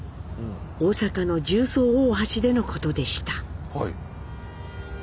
大阪の十三大橋でのことでした。